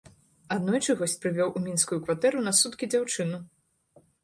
Аднойчы госць прывёў у мінскую кватэру на суткі дзяўчыну.